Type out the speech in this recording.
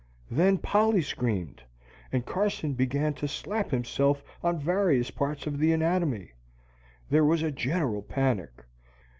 Then Polly screamed, and Carson began to slap himself on various parts of the anatomy. There was a general panic.